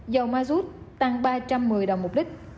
dầu mazut tăng ba trăm một mươi đồng một lít